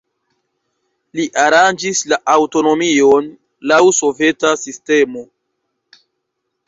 Li aranĝis la aŭtonomion laŭ soveta sistemo.